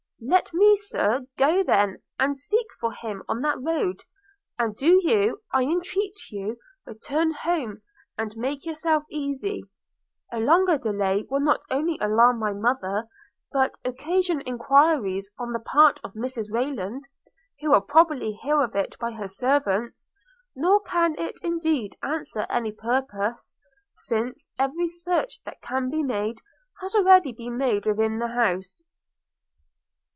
'Let me, Sir, go then, and seek for him on that road; and do you, I entreat you, return home and make yourself easy. A longer delay will not only alarm my mother, but occasion enquiries on the part of Mrs Rayland, who will probably hear of it by her servants; – nor can it indeed answer any purpose, since every search that can be made has already been made within the house.'